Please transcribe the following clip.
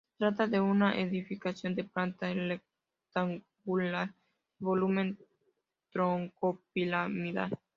Se trata de una edificación de planta rectangular y volumen troncopiramidal.